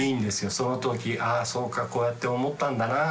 その時「ああそうかこうやって思ったんだなぁ」